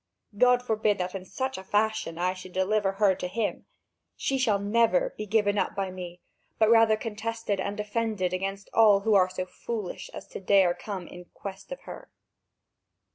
God forbid that in such a fashion I should deliver her to him! She shall never be given up by me, but rather contested and defended against all who are so foolish as to dare to come in quest of her."